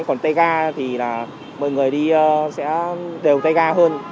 còn t ga thì là mọi người đi sẽ đều tay ga hơn